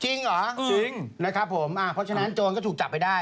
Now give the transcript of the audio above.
จริงเหรอจริงนะครับผมเพราะฉะนั้นโจรก็ถูกจับไปได้